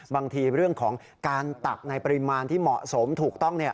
บางทีเรื่องของการตักในปริมาณที่เหมาะสมถูกต้อง